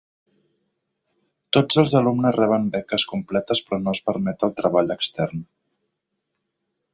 Tots els alumnes reben beques completes, però no es permet el treball extern.